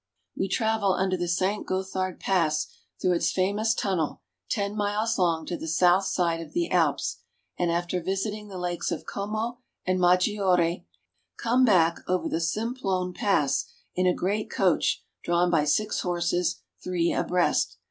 We travel under the Saint Gothard Pass through its famous tunnel ten miles long to the south side of the Alps ; and after visiting the Lakes of Como and Maggiore (mad jo'ra) come back over the Simplon (saN ploN 1 ) Pass in a great coach drawn by six horses, three abreast.